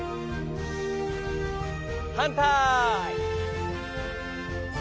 はんたい。